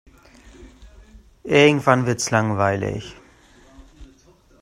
Irgendwann wird's langweilig.